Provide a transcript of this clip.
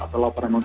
atau laporan dari b